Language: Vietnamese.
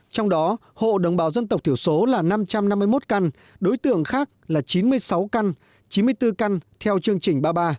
trong đó hộ đồng bào dân tộc thiểu số là năm trăm năm mươi một căn đối tượng khác là chín mươi sáu căn chín mươi bốn căn theo chương trình ba mươi ba